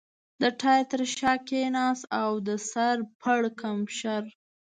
د ټایر تر شا کېناست او د سر پړکمشر.